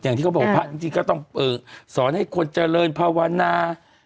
อย่างที่เขาบอกพระจริงก็ต้องสอนให้คนเจริญภาวนา